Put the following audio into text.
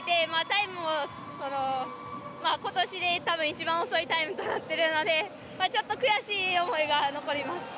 タイムも、ことしでたぶん一番遅いタイムとなってるのでちょっと悔しい思いが残ります。